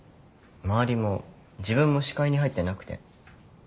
周りも自分も視界に入ってなくて。